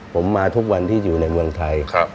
ผมมาทุกวันที่อยู่ในเมืองไทย